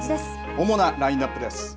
主なラインナップです。